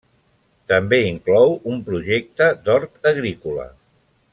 També inclou un projecte d'hort agrícola.